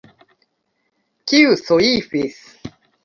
Kiu soifis?